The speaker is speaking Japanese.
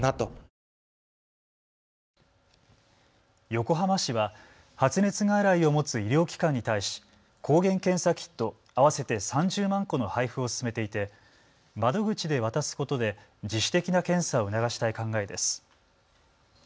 横浜市は発熱外来を持つ医療機関に対し抗原検査キット合わせて３０万個の配布を進めていて窓口で渡すことで自主的な検査を促したい考えです。